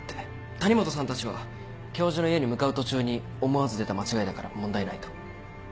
谷本さんたちは教授の家に向かう途中に思わず出た間違いだから問題ないと。